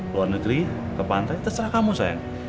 luar negeri ke pantai terserah kamu sayang